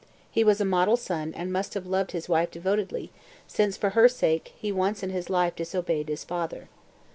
He was a model son and must have loved his wife devotedly, since, for her sake, he once in his life disobeyed his father.